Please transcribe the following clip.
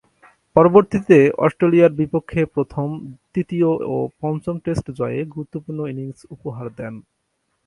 পরবর্তীতে অস্ট্রেলিয়ার বিপক্ষে প্রথম, তৃতীয় ও পঞ্চম টেস্ট জয়ে গুরুত্বপূর্ণ ইনিংস উপহার দেন।